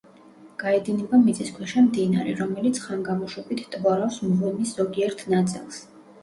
გაედინება მიწისქვეშა მდინარე, რომელიც ხანგამოშვებით ტბორავს მღვიმის ზოგიერთ ნაწილს.